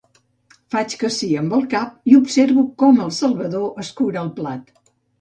Faig que sí amb el cap i observo com el Salvador escura el plat.